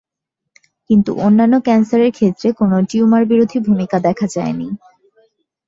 কিন্তু অন্যান্য ক্যান্সারের ক্ষেত্রে কোনো টিউমার-বিরোধী ভূমিকা দেখা যায়নি।